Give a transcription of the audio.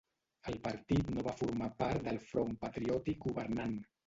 El partit no va formar part del Front Patriòtic governant.